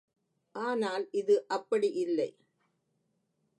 ஆனால் இது அப்படியில்லை.